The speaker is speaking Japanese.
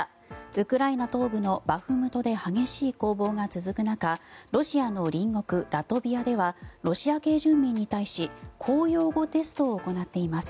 ウクライナ東部のバフムトで激しい攻防が続く中ロシアの隣国ラトビアではロシア系住民に対し公用語テストを行っています。